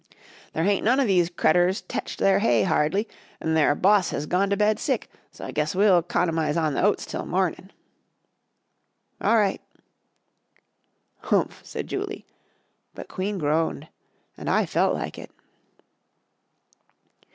"There hain't none o' these critters tetched their hay hardly; 'nd their boss hez gone to bed sick, so I guess we'll 'conomize on the oats till mornin'." "All right." "Humph!" said Julie, but Queen groaned and I felt like it.